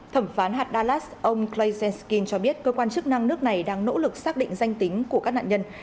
thẩm phán hạt dallas ông clay zeskin cho biết cơ quan chức năng nước này đang nỗ lực xác định danh tính của các nạn nhân